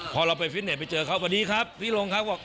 พอเราไปฟิตเน็ตไปเจอเขาพอดีครับพี่ลงครับบอก